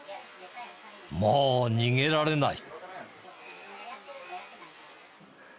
もう逃げられない。